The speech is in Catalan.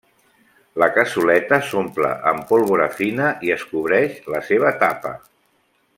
La cassoleta s'omple amb pólvora fina i es cobreix la seva tapa.